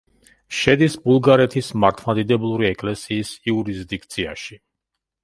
შედის ბულგარეთის მართლმადიდებლური ეკლესიის იურისდიქციაში.